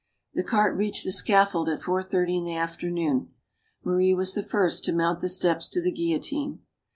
The cart reached the scaffold at four thirty in the afternoon. Marie was the first to mount the steps to the guillotine.